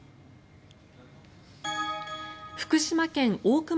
福島県大熊